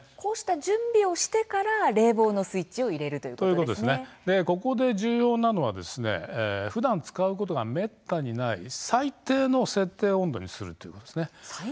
準備をしてから冷房のスイッチを入れるここで重要なのはふだん使うことはめったにない最低の設定温度にすることです。